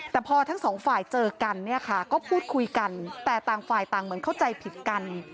แต่พอทั้งสองฝ่ายเจอกันเนี่ยค่ะก็พูดคุยกันแต่ต่างฝ่ายต่างเหมือนเข้าใจผิดกัน